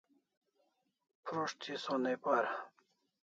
Prus't thi sonai para